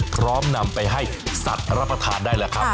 พร้อมนำไปให้สัตว์รับประทานได้แล้วครับ